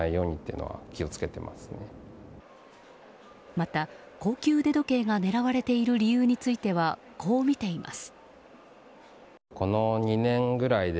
また、高級腕時計が狙われている理由についてはこう見ています。